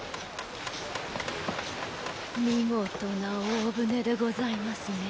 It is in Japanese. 見事な大船でございますね。